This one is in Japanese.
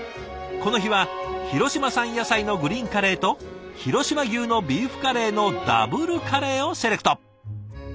この日は広島産野菜のグリーンカレーと広島牛のビーフカレーのダブルカレーをセレクト。